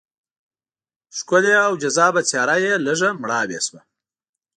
ښکلې او جذابه څېره یې لږه مړاوې شوه.